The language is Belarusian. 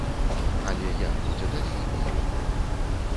Але як будзе далей, не ведаю.